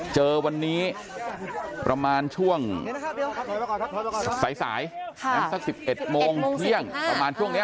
เจอวันนี้ประมาณช่วงสายสัก๑๑โมงเที่ยงประมาณช่วงนี้